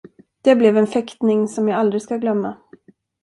Det blev en fäktning, som jag aldrig skall glömma.